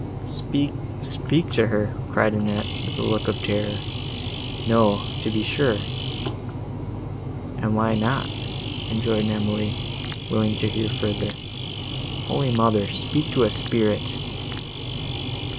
"Speak—speak to her!" cried Annette, with a look of terror; "no, to be sure." "And why not?" rejoined Emily, willing to hear further. "Holy Mother! speak to a spirit!"